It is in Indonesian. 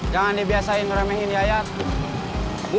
jangan dibikin keburu bukanya yaa